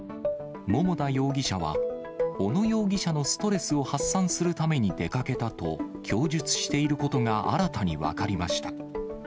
桃田容疑者は、小野容疑者のストレスを発散するために出かけたと供述していることが新たに分かりました。